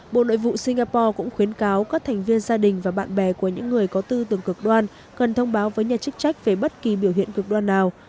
bộ nội vụ singapore cũng khuyến cáo các thành viên gia đình và bạn bè của những người có tư tưởng cực đoan cần thông báo với nhà chức trách về bất kỳ biểu hiện cực đoan nào